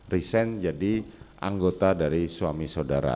resign jadi anggota dari suami saudara